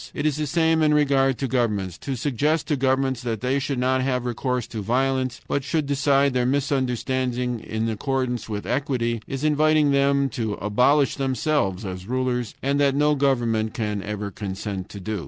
It is the same in regard to governments. To suggest to governments that they should not have recourse to violence, but should decide their misunderstandings in accordance with equity, is inviting them to abolish themselves as rulers, and that no government can ever consent to do.